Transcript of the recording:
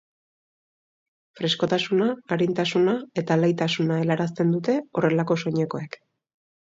Freskotasuna, arintasuna eta alaitasuna helarazten dute horrelako soinekoek.